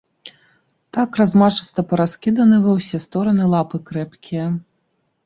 Так размашыста параскіданы ва ўсе стораны лапы крэпкія.